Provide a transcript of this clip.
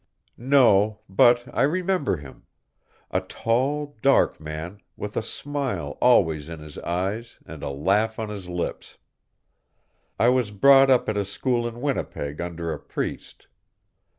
"No, but I remember him a tall, dark man, with a smile always in his eyes and a laugh on his lips. I was brought up at a school in Winnipeg under a priest.